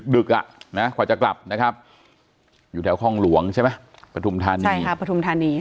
ดึกอ่ะนะฮะกว่าจะกลับนะครับอยู่แถวห้องหลวงใช่ไหมปฐุมธานี